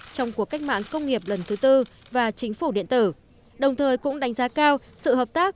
trong cuộc cách mạng công nghiệp lần thứ tư và chính phủ điện tử đồng thời cũng đánh giá cao sự hợp tác